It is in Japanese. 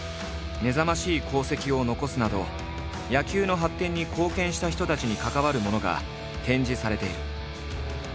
目覚ましい功績を残すなど野球の発展に貢献した人たちに関わるものが展示されている。